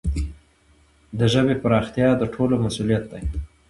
د ژبي پراختیا د ټولو مسؤلیت دی.